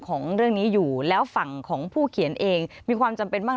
ของเรื่องนี้อยู่แล้วฝั่งของผู้เขียนเองมีความจำเป็นบ้าง